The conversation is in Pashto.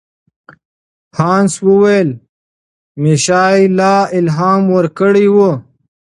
هانس وویل میشایلا الهام ورکړی و.